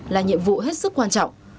là nhiệm vụ hết sức quan trọng